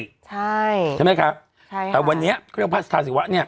ใช่ใช่ไหมคะใช่ค่ะแต่วันนี้เขาเรียกว่าพระสาธาศิวะเนี่ย